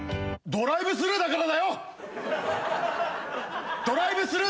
ドライブスルーだから！